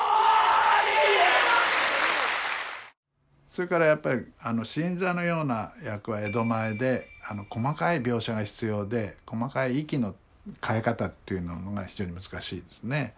それからやっぱり「新三」のような役は江戸前で細かい描写が必要で細かい息の変え方というのが非常に難しいですね。